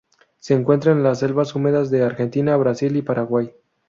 Se encuentra en las selvas húmedas de Argentina, Brasil y Paraguay.